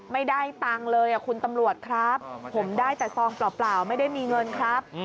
ไม่ได้ตังค์เลยคุณตำรวจครับผมได้แต่ซองเปล่าไม่ได้มีเงินครับ